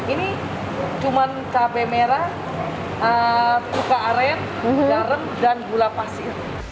ini cuma cabai merah cuka aren garam dan gula pasir